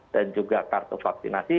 dan juga kartu vaksinasi